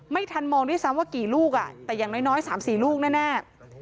ไม่ทันมองด้วยซ้ำว่ากี่ลูกแต่อย่างน้อย๓๔ลูกแน่